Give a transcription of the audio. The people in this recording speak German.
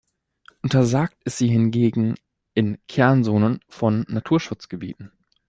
Untersagt ist sie hingegen in Kernzonen von Naturschutzgebieten.